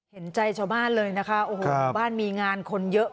เห็นใจชาวบ้านเลยนะคะโอ้โหบ้านมีงานคนเยอะ